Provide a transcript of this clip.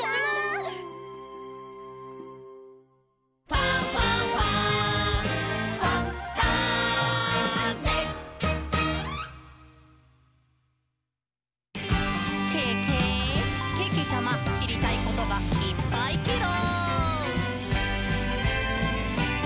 「ファンファンファン」「ケケ！けけちゃま、しりたいことがいっぱいケロ！」